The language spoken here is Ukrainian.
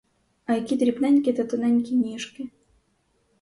А які дрібненькі та тоненькі ніжки!